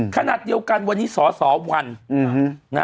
ขนาดเดียวกันวันนี้สสวัน